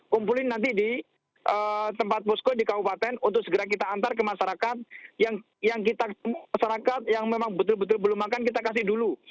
kumpulin nanti di tempat posko di kabupaten untuk segera kita antar ke masyarakat yang kita masyarakat yang memang betul betul belum makan kita kasih dulu